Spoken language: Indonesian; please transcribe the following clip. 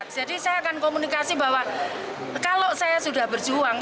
jadi saya akan komunikasi bahwa kalau saya sudah berjuang